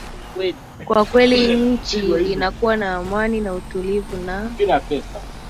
kwa kweli nchi inakuwa na amani na utulivu na